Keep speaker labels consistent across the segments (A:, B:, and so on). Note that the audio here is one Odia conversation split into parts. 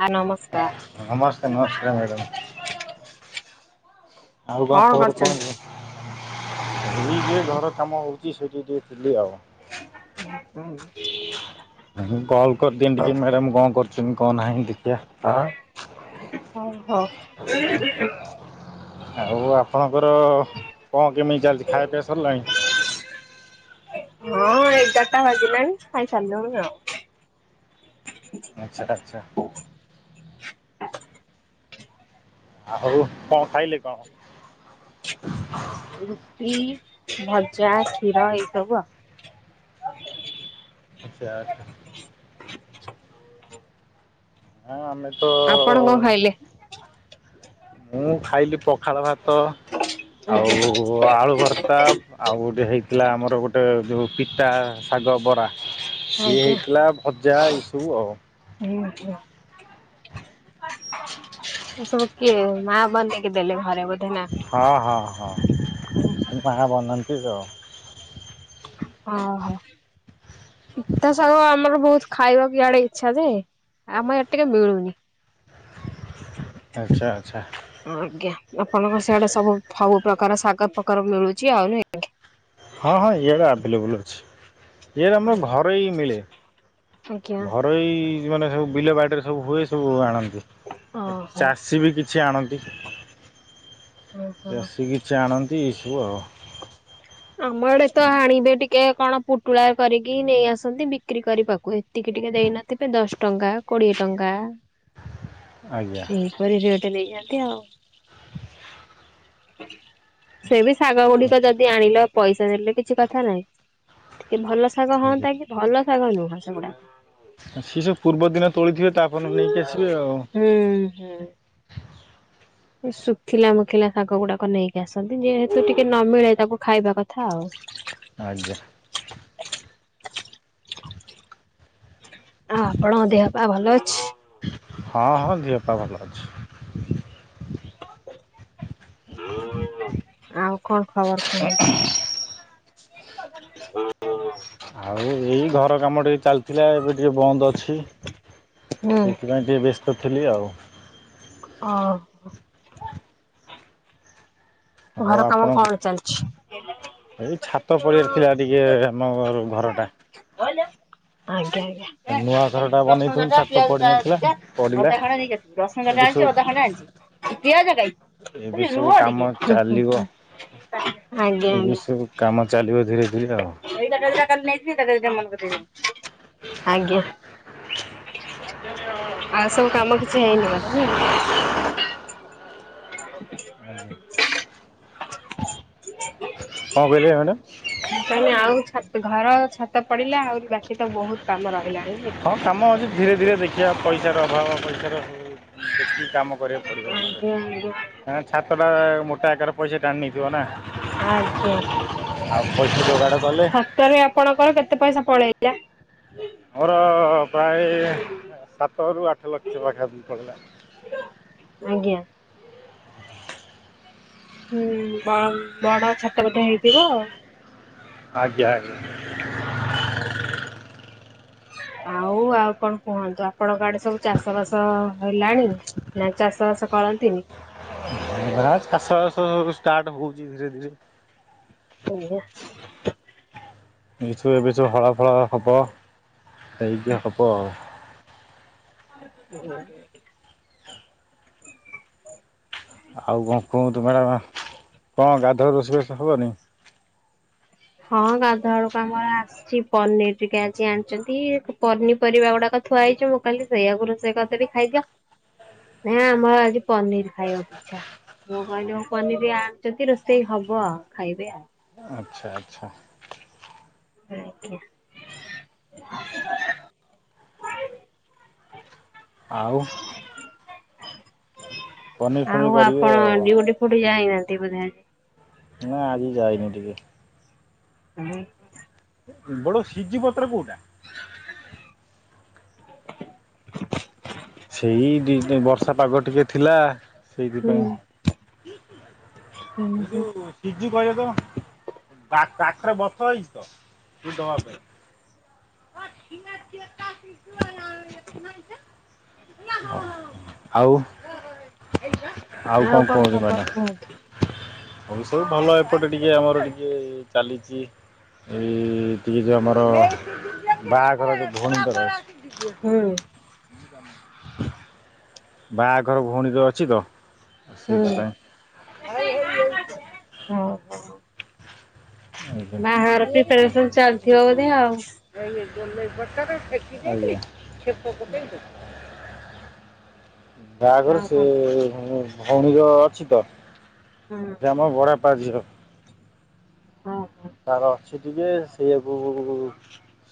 A: ଆ ନମସ୍କାର
B: ନମସ୍କାର ନମସ୍କାର ମ୍ୟାଡାମ। ଆଉ କଣ ଖବର କୁହନ୍ତୁ? ମୁ ଯେ ଘର କାମ ହଉଛି ସେଇଠି ଟିକେ ଥିଲି ଆଉ। କଲ କରିଦେମି ଟିକେ ମ୍ୟାଡାମ କଣ କରୁ [inaudible] କ ନାହିଁ। ଦେଖିବା।
A: [inaudible] ହଁ।
B: ଆଉ ଆପଣଙ୍କର କଣ କେମିତି ଚାଲିଛି ଖାଇବା ପିଇବା ସରିଲାଣି?
A: ହଁ ଏଗାରଟା ବାଜିଲାଣି ଖାଇସାରି ଲୁଣି ଆଉ।
B: ଆଛା ଆଚ୍ଛା। ଆଉ କଣ ଖାଇଲେ କଣ?
A: ରୁଟି ଭଜା କ୍ଷୀର ଏଇ ସବୁ ଆଉ
B: ଆଛା ଆଛା। ହଁ ଆମେ ତ
A: ଆପଣ କଣ ଖାଇଲେ?
B: ମୁଁ ଖାଇଲି ପଖାଳ ଭାତ
A: ଆଜ୍ଞା
B: ଆଉ ଆଳୁ ଭର ତା ଆଉ ଗୋଟେ ହେଇଥିଲା ଆମର ଗୋଟେ ଯୋଉ ପିତା ଶାଗ ବରା ସିଏ
A: ଆଜ୍ଞା
B: ହେଇଥିଲା ଭଜା ଏଇସୁ ଆଉ
A: ଏସବୁ କିଏ ମା ବନେଇକି ଦେଲେ ଘରେ ବୋ
B: ହଁ ହଁ ହଁ ମା ବନାନ୍ତି ତ।
A: ଓ ହୋ। ପିତା ଶାଗ ଆମର ବହୁତ ଖାଇବାକୁ ଇଆଡେ ଇଛା ଯେ ଆମ ଆଡେ ଟିକେ ମିଳୁନି।
B: ଆଚ୍ଛା ଆଚ୍ଛା।
A: ଆଜ୍ଞା ଆପଣଙ୍କ ସେଆଡେ ସବୁ ଫବୁ ପ୍ରକାର ଶାଗ ପ୍ରକାର ମିଳୁଚି ଆଉ ନୁହେଁ କି?
B: ହଁ ହଁ ଇୟାଡେ ଆଭେଲେବଲ ଅଛି। ଏର ଆମର ଘରୋଇ ମିଳେ।
A: ଆଜ୍ଞା
B: ଘରୋଇ ଯୋଉ ମାନେ ସବୁ ବିଲ ବାଡିରେ ସବୁ ହୁଏ ସବୁ ଆଣନ୍ତି।
A: ଓହୋ
B: ଚାଷୀ ବି କିଛି ଆଣନ୍ତି।
A: ଓହୋ।
B: ଚାଷୀ କିଛି ଆଣନ୍ତି। ହୁଅ।
A: ଆମ ଆଡେ ତ ଆଣିବେ ଟିକେ କଣ ପୁଟୁଳା କରିକି ନେଇ ଆସନ୍ତି ବିକ୍ରି କରିବାକୁ ଏତିକି ଟିକେ ଦେଇନଥିବେ ଦଶ ଟଙ୍କା କୋଡିଏ ଟଙ୍କା।
B: ଆଜ୍ଞା
A: ସେହିପରି ରେଟ୍। ନେଇଆନ୍ତି ଆଉ। ସେ ବି ଶାଗ ଗୁଡିକ ଯଦି ଆଣିଲ ପଇସା ଦେଲେ କିଛି କଥା ନାହିଁ। ଟିକେ ଭଲ ଶାଗ ହଅନ୍ତା କି ଭଲ ଶାଗ ନୁହଁ ସେଗୁଡା।
B: ସେ ସବୁ ପୂର୍ବ ଦିନ ତୋଳିଥିବେ ତାପରନ ନେଇକି ଆସିବେ ଆଉ।
A: ହୁଁ ହୁଁ। ଶୁଖିଲା ମୁଖିଲା ଶାଗ ଗୁଡାକ ନେଇକି ଆସନ୍ତି। ଯେହେତୁ ଟିକେ ନ ମିିଳେ ତାକୁ ଖାଇବା କଥା ଆଉ।
B: ଆଜ୍ଞା
A: ଆ ଆପଣଙ୍କ ଦେହ ପା ଭଲ ଅଛି?
B: ହଁ ହଁ ଦେହପା ଭଲ ଅଛି।
A: ଆଉ କଣ ଖବର କୁହନ୍ତୁ?
B: ଆଉ ଏଇ ଘର କାମ ଟିକେ ଚାଲିଥିଲା ଏବେ ଟିକେ ବନ୍ଦ ଅଛି।
A: ହୁଁ
B: ସେଥିପାଇଁ ଟିକେ ବ୍ୟସ୍ତ ଥିଲି ଆଉ।
A: ଅ ହୋ।
B: ଆଉ
A: ଘର
B: ଆପଣ
A: କାମ କଣ ଚାଲିଛି?
B: ଏଇ ଛାତ ପଡିଆରଥିଲା ଟିକେ ମୋର ଘର ଟା।
A: ଆଉ [unintelligible] ମୁଁ କହିଲି ରସୁଣ
B: ବନେଇଥିଲୁ
A: ଜରିଟା
B: ଛାତ
A: ପିଆଜ ଯା
B: ପଡ଼ିନଥିଲା
A: ଦିଟା
B: ପଡ଼ିଲା
A: ଅଦା ଖଣ୍ଡେ ନେଇକି ଆସିବୁ। ରସୁଣ
B: ଏବେ
A: ଜରିଟା
B: ସବୁ
A: ଆଣିଚି। ଅଦା ଖଣ୍ଡେ ଆଣିଚି। ପିଆଜ କାଇ?
B: ଏବେ ସବୁ କାମ ଚା ଚାଲିବ
A: ହୁଁ ଆଜ୍ଞା
B: ଏବେ
A: ଆଜ୍ଞା।
B: ସବୁ କାମ ଚାଲିବ ଧୀରେ ବୁଝିଲ ।
A: [inaudible] ଆଜ୍ଞା। ଆଉ ସବୁ କାମ କିଛି ହେଇନି ବଧେ ନୁହେଁ?
B: କଣ କହିଲେ ମ୍ୟାଡ଼ାମ
A: [inaudible] ତାହାନେ ଆଉ ଛା ଘର ଛାତ ପଡିଲା ଆହୁରି ବାକି ତ ବହୁତ କାମ ରହିଲାଣି। ନୁହେଁ?
B: ହଁ କାମ ହଉଚି ଧୀରେ ଧୀରେ ଦେଖିବା । ପଇସାର ଅଭାବ ପଇସାର ଦେ ଦେଖ କି କାମ କରିବାକୁ ପଡ଼ିବ ମତେ?
A: ଆଜ୍ଞା ଆଜ୍ଞା
B: ଏଁ ଛାତଟା ମୋ କାରଟାର ପଇସା ଟାଣି ନେଇଯିବ ନା ।
A: ଆଜ୍ଞା।
B: ଆଉ ପଇସା ଯୋଗାଡ
A: ସତରେ ଆପଣଙ୍କର କେତେ ପଇସା ପଳେଇ ଲା।
B: ମୋର ପ୍ରାୟେ ଆ ସାତରୁ ଆଠ ଲକ୍ଷ ପାଖାପାଖି ପଳେଇଲା।
A: ଆଜ୍ଞା।
B: [inaudible]
A: ହୁଁ ବନ୍ଦ ବଡ଼ଛ ତା ବଧେ ହେଇଥିବ ଆଉ ।
B: ଆଜ୍ଞା
A: ଆଉ ଆଉ କଣ କୁହନ୍ତୁ? ଆ ପଣଙ୍କ ଆଡେ ସବୁ ଚାଷ ବାସ ହେଲାଣି ନା ଚାଷ ବାସ କରନ୍ତିନି।
B: ଆଜ୍ଞା ଚାଷ ସବୁ ଷ୍ଟାର୍ଟ ହଉଚି ଧୀରେ ଧୀରେ।
A: ଓ ହୋ।
B: ପିଛୁ ଏବିଛୁ ହଳ ଫଳ ହବ? ସେଇଜା ହବ।
A: ହୁଁ।
B: ହଉ କଁ କୁହନ୍ତୁ ମ୍ୟାଡ଼ାମ କଁ ଗାଧୁଆ ରୋଷେଇବାସ ହବନି?
A: ହଁ ଗାଧ ବେଳକୁ ଆମର ଆସିଛି ପନିର ଟିକେ ଆଜି ଆଣିଚନ୍ତି, ପନିପରିବା ଗୁଡାକ ଥୁଆ ହେଇଚି, ମୁଁ କହିଲି ସେଇଆକୁ ରୋଷେଇ କରିଦେବି ଖାଇଦିଅ ନା ଆମର ଆଜି ପନିର ଖାଇବାକୁ ଇଛା। ମୁଁ କହିଲି ପନିର ଆଣିଛନ୍ତି ରୋଷେଇ ହବ ଆଉ ଖାଇବେ ଆଉ।
B: ଆଚ୍ଛା ଆଚ୍ଛା।
A: ହଁ ଆଜ୍ଞା।
B: ଆଉ? ପନିର
A: ଆଉ
B: ଫନିର କରିବେ
A: ଆପଣ
B: ଆଉ
A: ଡ୍ୟୁଟି ଫୁଟି ଯାଇନାହାନ୍ତି? ନ୍ତି ବୋଧେ?
B: ନା ଆଜି ଯାଇନି ଟିକେ ।
A: ହଁ ହଁ।
B: ବଡ ସିଜି ପତ୍ର କୋଉଟା? ସେଇ ଦି ଦି ବର୍ଷା ପାଗ ଟିକେ ଥିଲା ।
A: ହୁଁ
B: ସେଇଥିପାଇଁ
A: ହୁଁ ହୁଁ
B: ଝିକି କହିବେ ତ ବା କାଖରେ ବଥ ହେଇଚି ତ ଚିରି ଦବା ପାଇଁ। ଆଉ ଆଉ କଁ
A: କଣ
B: କୁହନ୍ତୁ
A: ଖବର
B: ମ୍ୟାଡାମ
A: କୁହନ୍ତୁ
B: ଅଏବେ ସବୁ ଭଲ ଏପଟେ ଟିକେ ଆମର ଟିକେ ଚାଲିଚି ଏଇ ଟିକେ ଯୋଉ ଆମର ବାହାଘର ଯୋଉ ଭୋଉଣୀଙ୍କର
A: ହୁଁ।
B: ବାହାଘର ଭଉଣୀର ଅଛି ତ ଆଉ
A: ହୁଁ।
B: ସେଇଥିପାଇଁ।
A: ହୋ
B: ଆଜ୍ଞା
A: ବାହାଘର ପ୍ରିପାରେସନ ଚାଲିଥିବ ବୋଧେ ଆଉ।
B: ହାଲୋ। [unintelligible] ବାହାଘର
A: ଆଉ କଣ
B: ସେଇ ମାନେ ଭୋଉଣୀର ଅଛି ତ।
A: ହଁ
B: ଗ୍ରାମ ଭଡା ତା ଝିଅ।
A: ହଁ।
B: ତାର ଅଛି ଟିକେ ସେଇଆକୁ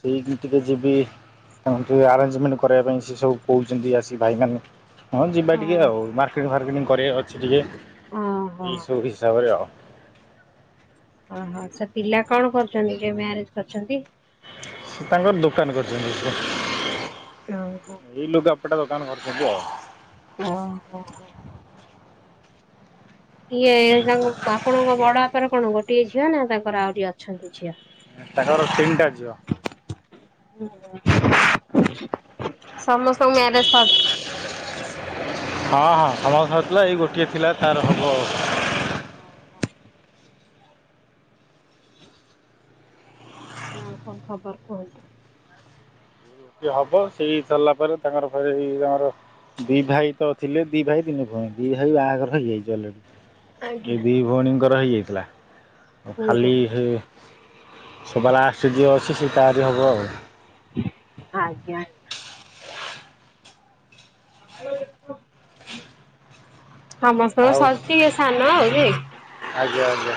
B: ସେଇଠି ଟିକେ ଯିବି ତାଙ୍କର ଟିକିଏ ଆରେଞ୍ଜମେଣ୍ଟ କରେଇବା ପାଇଁ ସେ ସବୁ କୋହୁଚନ୍ତି ଆସିକି ଭାଇମାନେ ହଁ ଯିବା ଟିକେ
A: ଓହୋ
B: ଆଉ ମାର୍କେଟିଙ୍ଗ ଫାର୍କେଟିଙ୍ଗ ପରେ ଅଛି ଟିକେ
A: ଓହୋ
B: ଏଇସବୁ ହିସାବରେ ଆଉ।
A: ଓହୋ ଆଛା ପିଲା କଣ କରୁଚନ୍ତି ଯେ ମ୍ୟାରେଜ କରୁଛନ୍ତି।
B: ତାଙ୍କର ଦୋ କାନ କରିଛନ୍ତି
A: ଓହୋ
B: ଏଇ ଲୁଗାପଟା ଦୋକାନ କରୁଛନ୍ତି ଆଉ।
A: ଓହୋ ହୋ ଇଏ ତାଙ୍କ ଆପଣଙ୍କ ବଡ ବାପର କଣ ହବ ଗୋଟିଏ ଝି ଝିଅନା ତାଙ୍କର ଆହୁରି ଅଛନ୍ତି ଝିଅ।
B: ତାଙ୍କର ତିନଟା ଝିଅ।
A: ହୁଁ ହୁଁ ସମସ୍ତଙ୍କ ମ୍ୟାରେଜ ସର
B: ଆମର ସରଥିଲା ଏଇ ଗୋଟିଏ ଥିଲା ତାର ହବ ଆଉ।
A: ଆଉ କଣ ଖବର କୁହନ୍ତୁ?
B: ଇଏ ହବ ସେଇ ସରିଲା ପରେ ତାଙ୍କର ପରେ ହେଇ ତାଙ୍କର ଦି ଭାଇ ତ ଥିଲେ ଦି ଭାଇ ତିନି ଭ ହଁ ଦି ଭାଇ ବାହାଘର ହେଇଯାଇଚି ଅଲରେଡ଼ି ଏ
A: ଆଜ୍ଞା
B: ଦି ଭୋଉଣୀଙ୍କର ହେଇଯାଇଥିଲା ଆଉ
A: ହୁଁ ହୁଁ
B: ଖାଲି ହେ ଶବା ଲାଷ୍ଟେରେ ଯିଏ ଅଛି ସେ ତାରି ହବ ଆଉ।
A: ଆଜ୍ଞାା। [unintelligible] ସମସ୍ତଙ୍କର
B: ଆଉ
A: ସରିଛି ଇଏ ସାନ ଆଉ ନୁହେଁ।
B: ଆଜ୍ଞା ଆଜ୍ଞା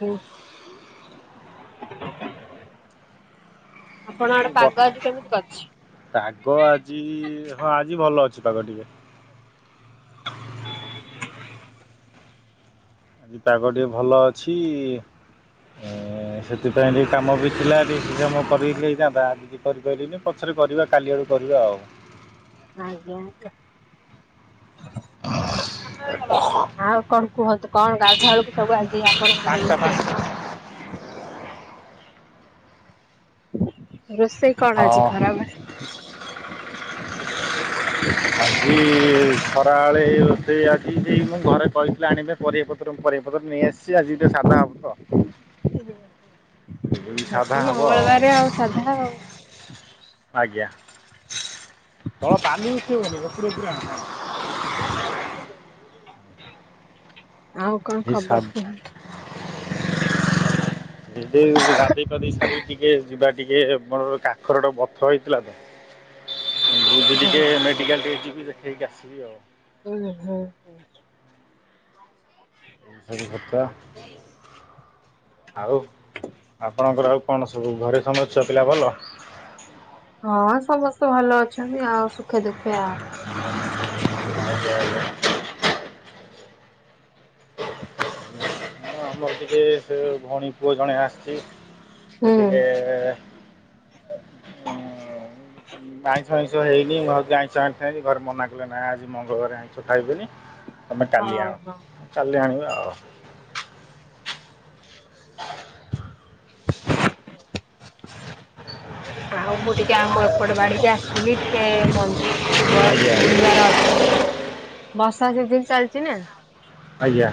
A: ହୁଁ। [unintelligible] ଆପଣ
B: ଏଇ
A: ଆଡେ
B: ବ
A: ପାଗ ଆଜି କେମିତି କରିଛି?
B: ପାଗ ଆଜି ହଁ ଆଜି ଭଲ ଅଛି। ପାଗ ଟିକେ ଆଜି ପାଗ ଟିକେ ଭଲ ଅଛି ଏଁ ସେଥିପାଇଁ ଟିକେ କାମ ବି ଥିଲା ଟ [inaudible] କାମ କରିଲେ ହେଇଥାନ୍ତା। କିଛି କିରିପାରିଲିନି ପଛରେ କରିବା କାଲି ଆଡ଼ୁ କରିବା ଆଉ
A: ଆଜ୍ଞା ତ୍ ଆଉ କଣ କୁହନ୍ତୁ କଣ ଗାଧୁଆ ବେଳକୁ ସବୁ ଆଜି ଆପଣଙ୍କର
B: ପାଞ୍ଚଟା ପାଞ୍ଚଟା
A: ରୋଷେଇ ରୋଷେଇ କଣ ଅଛି
B: ହଁ
A: ଖରାବେ
B: [unintelligible] କାଳେ ରୋସେଇ ଆଜି ସେଇ ମୁଁ ଘରେ କହିିଥିଲେ ଆଣିବେ ପରିବାପତ୍ର ପରିବାପତ୍ର ନେଇ ଆସିଛି ଆଜି ଟିକେ ସାଧା ହବ ।
A: ମଙ୍ଗଳବାର ଆଉ ସାଧା ଆଉ
B: ଆଜ୍ଞା ତଳ ପାନି ଉଥେଇବନି ଉପରେ ଆଣ ହଁ। [unintelligible]
A: [unintelligible] ଖବର
B: ହିସାବ
A: କୁହନ୍ତୁ?
B: ଏ ଗାଧୋଇ ପାଧେଇ ସାରି ଟିକେ ଯିବା ଟିକେ ମୋର କାଖର ଟେ ବଥ ହେଇଥିଲା ତ [unintelligible] ଟିକେ ମେଡ଼ିକାଲ ଟିକେ ଯିବି ଦେଖ୍ ହେଇକି ଆସିବି ଆଉ।
A: ହୁଁ ହୁଁ ହୁଁ।
B: [unintelligible] ଆଉ ଆପଣଙ୍କର ଆଉ କଣ ସବୁ ଘରେ ସମ ଛୁଆ ପିଲା ଭଲ।
A: ହଁ ସମସ୍ତେ ଭଲ ଅଛନ୍ତି ଆଉ। ସୁଖେ ଦୁଖେ ଆଉ।
B: [unintelligible] ହ ଆମର ଟିକେ ସେ ଭଉଣୀ ପୁଅ ଜଣେ ଆସିଛି।
A: ହୁଁ।
B: ଟିକେ ଆାଇଁଷ ଆଇଁଷ ହେଇନି ଘର ଆଇଁଷ ଆଣିନି ଘରେ ମନା କଲେ ନାଁ ଆଜି ମଙ୍ଗଳବାର ଆଇଁଷ ଖାଇବିନି। ତମେ କାଲି
A: ହଁ
B: ଆଣ।
A: ହଁ।
B: କାଲି ଆଣିବି ଆଉ। [unintelligible]
A: ଆଉ ମୁଁ ଟିକେ ଆମ ଏପଟ ବାଡି଼କି ଆସିଲି ଟିକେ ମଞ୍ଜି କିଛି ବର
B: ଆଜ୍ଞା
A: ବୁଣିବାର ଅଛି। ବର୍ଷା ସିଜିନ୍ ଚାଲିଛି ନା।
B: ଆଜ୍ଞା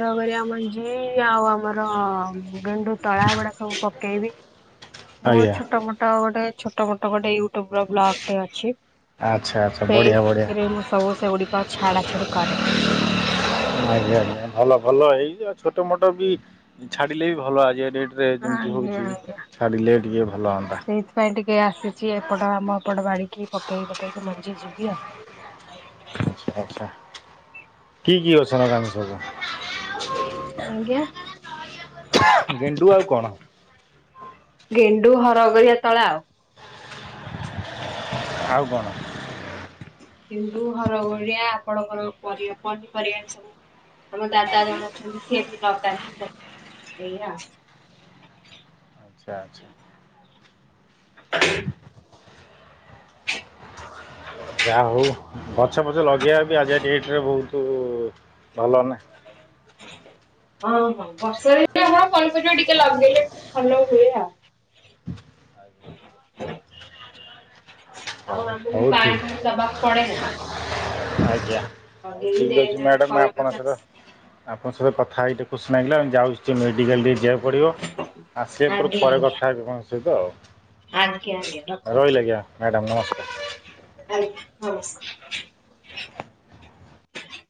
A: କରି [unintelligible] ଜି ଆଉ ଆମର ଗେଣ୍ଡୁ ତଳା ଗୁଡ଼ା ସବୁ ପକେଇବି। ମୁଁ
B: ଆଜ୍ଞା
A: ଛୋଟ ମୋଟ ଗୋଟେ ଛୋଟମୋଟ ଗୋଟେ ୟୁ। ବ୍ଲଗ୍ ଟେ ଅଛି
B: ଆଚ୍ଛା ଆଚ୍ଛା ବଢ଼ିଆ ବଢ଼ିଆ
A: ସେଇଥିରେ ମୁଁ। ସବୁ ସେଗୁଡିକ ଛାଡା ଛାଡି କରେ।
B: ଆଜ୍ଞା ଆଜ୍ଞା ଭଲ ଭଲ ହେଇଯଉ ଛୋ। ଚୋଟ ମୋଟ ବି ଛାଡିଲେ ବି ଭଲ ଆଯିବ ରେ।
A: ହଁ ଆଜ୍ଞା ଆଜ୍ଞା
B: ଟିକେ ଭଲ ହୁଅନ୍ତା
A: ସେଇଥିପାଇଁ ଟିକେ ଆସିଛି ଏପଟ ଆମ ଏପଟ ବାଡିକି ପକେଇ ପକେଇ ତ ମଞଜି ଯିବି ଆ
B: ଆଚଛା ଆଚ୍ଛା କି କି ଅଛ କାମୀ ସବୁ
A: ଆଜ୍ଞା
B: ଗେଣ୍ଡୁ ଆଉ କଣ
A: ୁ ହର କରିବାଆ ତଳା ଆଉ
B: ଆଉ କଣ
A: କିନ୍ତୁ ହର ଭଳିଆ ଆପଣଙ୍କର ପର ପନିପରିବା ସବୁ ଆମ ଦାଦା ଜଣ ଅଛନ୍ତି ସିଏ ବି ଲଗନ୍ତି ଏଇଆ
B: ଆଚଛା ଆଚ୍ଛା
A: [unintelligible]
B: ଯାହା ହଉ ଗଛ ପଛ ଲଗେଇବା ବି ଆଜି ଡେଟରେ ବହୁତ ଭଲନହି
A: ହଁ ହଁ ବର୍ଷରେ ଆମର କଲପଜ ଟିକେ ଲଗେଇଲେ ଟିକେ ଭଲ ହୁଏ ଆଉ
B: [unintelligible]
A: [unintelligible]
B: ହଉ
A: ଆଉ ଆମକୁ
B: ହଉ
A: ପାଣି
B: ଠିକ୍
A: ଫଣି ଦବାକୁ ପଡେ ନା
B: ଆଜ୍ଞା ଆଉ
A: ଲଗେଇକି
B: ଠିକ ଅଛି
A: ଦେଇଦେବି
B: ମ୍ୟାଡାମ
A: କଳ
B: ଆପଣ ସହିତ
A: ପଚାଶ
B: ଆପଣଙ୍କ ସହିତ କଥା ହେଇେ ଖୁସି ନିଲ ଯାଉ ମେଡିିକଲ ଜ୍ୟା୍ ପଢ଼ିବ ଆସିବେ ପୁର
A: ଆଜ୍ଞା
B: ପରେ
A: ଆଜ୍ଞା
B: କଥା ହେବେ କଣଙ୍କ ସହିତ ଆଉ ଆଜ୍ଞା ରହିଲା ଆଜ୍ଞା ମ୍ୟାଡ଼ମ୍ ନମସ୍କାର
A: ଆଜ୍ଞା ନମସ୍କାର